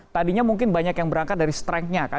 tadinya mungkin banyak yang berangkat dari kekuatannya